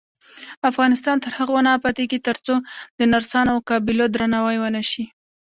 افغانستان تر هغو نه ابادیږي، ترڅو د نرسانو او قابلو درناوی ونشي.